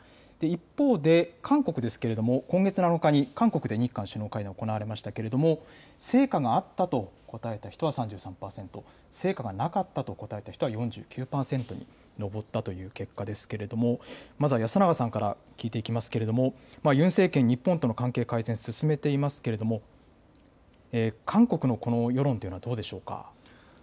一方で、韓国ですけれども、今月７日に韓国で日韓首脳会談行われましたけれども、成果があったと答えた人は３３％、成果がなかったと答えた人は４９％に上ったという結果ですけれども、まずは安永さんから聞いていきますけれども、ユン政権、日本との関係改善、進めていますけれども、韓国のこの世論というのはどうでしょうか。